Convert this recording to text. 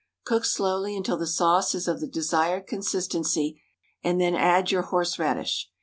Cook slowly until the sauce is of the desired consistency, and then add your horseradish.